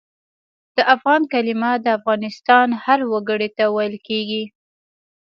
د افغان کلمه د افغانستان هر وګړي ته ویل کېږي.